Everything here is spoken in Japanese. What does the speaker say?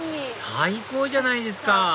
最高じゃないですか